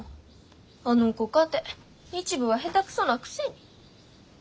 あの子かて日舞は下手くそなくせに。